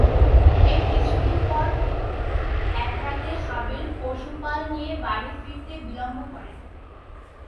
এর কিছুদিন পর একরাতে হাবীল পশুপাল নিয়ে বাড়ি ফিরতে বিলম্ব করেন।